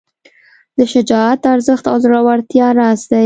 د شجاعت ارزښت د زړورتیا راز دی.